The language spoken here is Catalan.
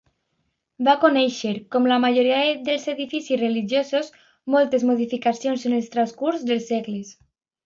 Va conèixer, com la majoria dels edificis religiosos, moltes modificacions en el transcurs dels segles.